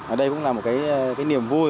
ở đây cũng là một cái niềm vui